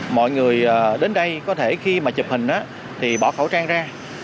mọi người đến đây có thể khi mà chụp hình thì bỏ khẩu trang ra